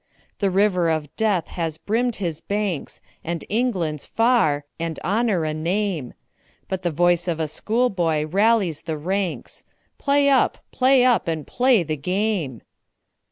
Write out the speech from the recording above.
The river of death has brimmed his banks, And England's far, and Honour a name, But the voice of schoolboy rallies the ranks, "Play up! play up! and play the game!"